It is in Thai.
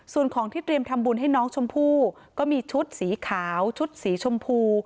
ส่วนของที่เตรียมทำบุญให้น้องชมพู่ก็มีชุดสีขาวชุดสีชมพู